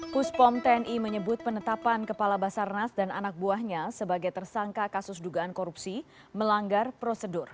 kuspom tni menyebut penetapan kepala basarnas dan anak buahnya sebagai tersangka kasus dugaan korupsi melanggar prosedur